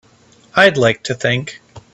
I'd like to think.